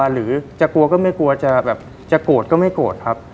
หรือจะกลัวก็ไม่กลัวจะแบบจะโกรธก็ไม่โกรธครับ